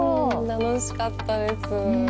楽しかったです。